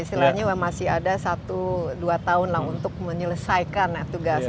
sebenarnya masih ada satu dua tahun untuk menyelesaikan tugasnya